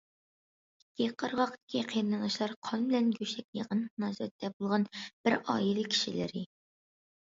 ئىككى قىرغاقتىكى قېرىنداشلار قان بىلەن گۆشتەك يېقىن مۇناسىۋەتتە بولغان بىر ئائىلە كىشىلىرى.